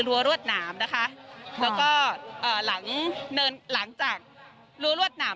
รัวรวดหนามนะคะแล้วก็หลังจากรัวรวดหนาม